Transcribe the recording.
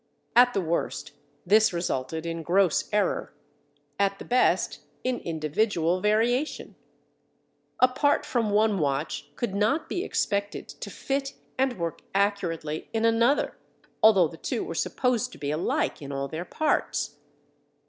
At the worst, this resulted in gross error; at the best, in individual variation. A part from one watch could not be expected to fit and work accurately in another, although the two were supposed to be alike in all their parts.